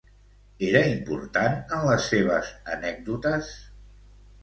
Era important en les seves anècdotes?